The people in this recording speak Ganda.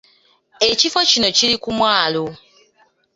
Ekifo kino kiri ku mwalo.